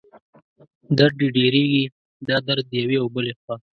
درد یې ډېرېږي، دا درد یوې او بلې خوا